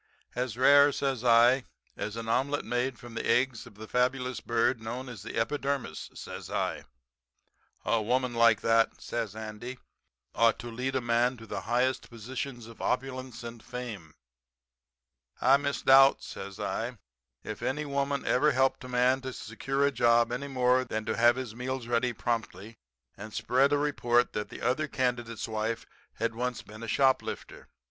"'As rare,' says I, 'as an omelet made from the eggs of the fabulous bird known as the epidermis,' says I. "'A woman like that,' says Andy, 'ought to lead a man to the highest positions of opulence and fame.' "'I misdoubt,' says I, 'if any woman ever helped a man to secure a job any more than to have his meals ready promptly and spread a report that the other candidate's wife had once been a shoplifter.